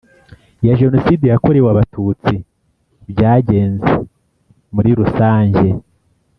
ya Jenoside yakorewe Abatutsi byagenze muri rusanjye